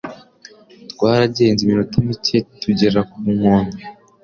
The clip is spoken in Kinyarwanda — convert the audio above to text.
Twaragenze iminota mike tugera ku nkombe.